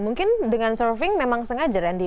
mungkin dengan surfing memang sengaja randy